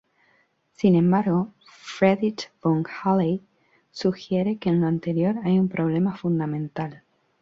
Sin embargo, Friedrich von Hayek sugiere que en lo anterior hay un problema fundamental.